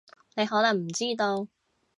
你可能唔知道